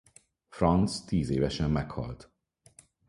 Franz tíz évesen meghalt.